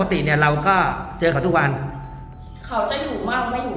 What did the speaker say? ไม่ถับไม่อะไรแกหรือยังแต่เต็มถังอยู่